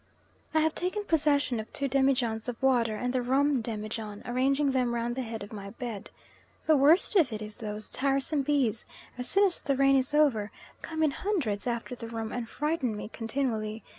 I have taken possession of two demijohns of water and the rum demijohn, arranging them round the head of my bed. The worst of it is those tiresome bees, as soon as the rain is over, come in hundreds after the rum, and frighten me continually.